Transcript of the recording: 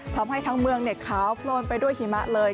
ทำให้ทั้งเมืองขาวโพลนไปด้วยหิมะเลย